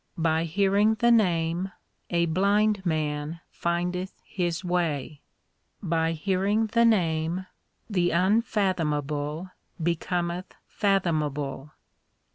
By hearing the Name a blind man findeth his way By hearing the Name the unfathomable becometh fathom able.